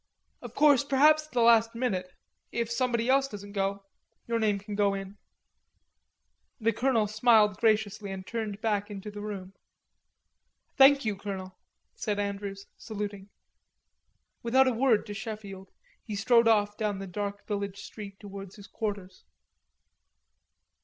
Of course perhaps at the last minute... if somebody else doesn't go... your name can go in." The colonel smiled graciously and turned back into the room. "Thank you, Colonel," said Andrews, saluting. Without a word to Sheffield, he strode off down the dark village street towards his quarters.